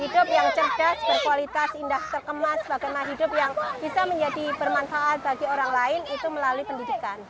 hidup yang cerdas berkualitas indah terkemas bagaimana hidup yang bisa menjadi bermanfaat bagi orang lain itu melalui pendidikan